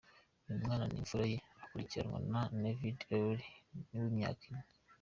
Uyu mwana ni imfura ye, akurikirwa na Naviyd Ely, w’imyaka ine.